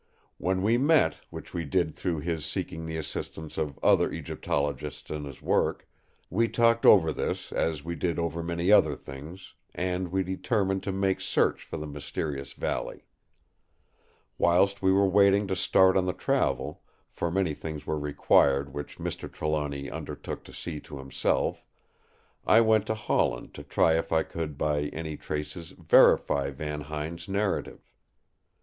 When we met, which we did through his seeking the assistance of other Egyptologists in his work, we talked over this as we did over many other things; and we determined to make search for the mysterious valley. Whilst we were waiting to start on the travel, for many things were required which Mr. Trelawny undertook to see to himself, I went to Holland to try if I could by any traces verify Van Huyn's narrative.